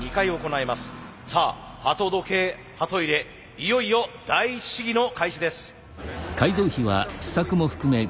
いよいよ第一試技の開始です。